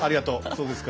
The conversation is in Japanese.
そうですか。